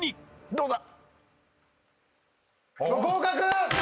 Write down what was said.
どうだ？